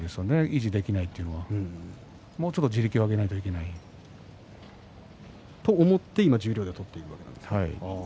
維持できないというのはもうちょっと地力を上げないといけない。と思って今、十両で取っているわけですか？